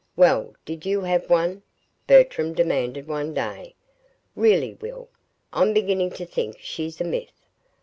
"Well, did you have one?" Bertram demanded one day. "Really, Will, I'm beginning to think she's a myth.